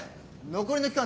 残りの期間